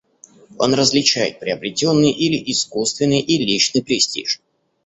Он различает приобретенный или искусственный и личный престиж.